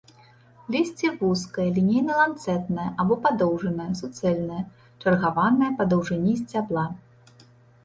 Лісце вузкае, лінейна-ланцэтнае або падоўжанае, суцэльнае, чаргаванае па даўжыні сцябла.